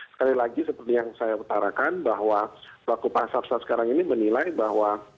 sekali lagi seperti yang saya utarakan bahwa pelaku pasar saat sekarang ini menilai bahwa